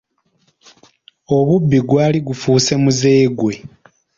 Obubbi gwali gufuuse muze gwe.